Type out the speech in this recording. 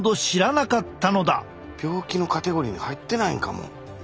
病気のカテゴリーに入ってないんかも。